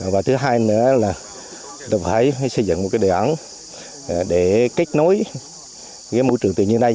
và thứ hai nữa là tôi phải xây dựng một đề án để kết nối môi trường tự nhiên này